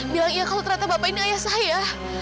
bilang iya kalau ternyata bapak ini ayah saya